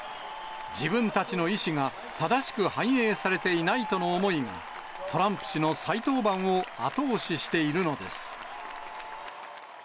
自分たちの意思が正しく反映されていないとの思いが、トランプ氏の再登板を後押ししているのです。